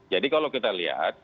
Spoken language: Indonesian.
jadi kalau kita lihat